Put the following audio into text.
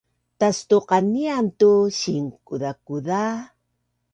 Tastuqanian tu sinkuzakuza